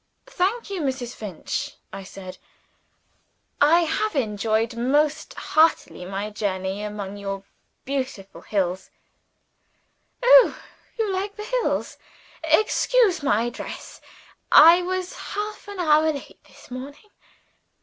"Thank you, Mrs. Finch," I said. "I have enjoyed most heartily my journey among your beautiful hills." "Oh! you like the hills? Excuse my dress. I was half an hour late this morning.